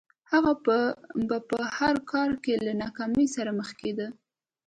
هغه به په هر کار کې له ناکامۍ سره مخ کېده